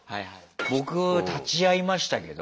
僕立ち会いましたけど。